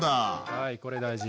はいこれ大事。